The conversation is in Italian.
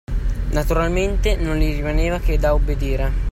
Naturalmente, non gli rimaneva che da obbedire.